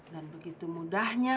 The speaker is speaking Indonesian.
dan begitu mudahnya